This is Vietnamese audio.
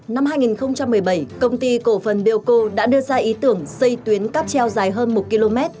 năm hai nghìn một mươi bảy công ty cổ phần biêu cô đã đưa ra ý tưởng xây tuyến cắp treo dài hơn một km